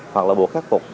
hoặc là buộc khắc phục